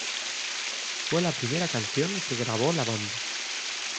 Fue la primera canción que grabó la banda.